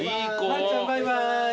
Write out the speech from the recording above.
まるちゃんバイバイ。